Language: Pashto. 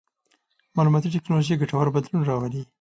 مالوماتي ټکنالوژي ګټور بدلون راولي.